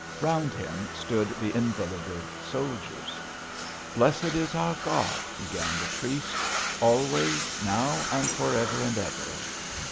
Round him stood the invalided soldiers. "Blessed is our God," began the priest; "always, now and for ever and ever."